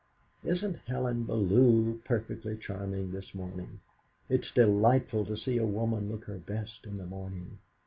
Isn't Helen Bellew perfectly charming this morning! It's delightful to see a woman look her best in the morning."